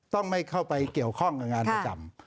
ต้องไม่เข้าไปเกี่ยวข้องกับงานประจำ